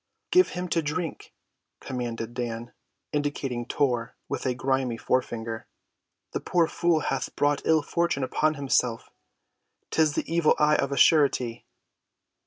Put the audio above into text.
"Give him to drink," commanded Dan, indicating Tor with a grimy forefinger. "The poor fool hath brought ill‐fortune upon himself. 'Tis the evil eye of a surety."